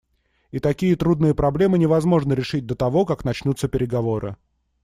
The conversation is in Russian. И такие трудные проблемы невозможно решить до того, как начнутся переговоры.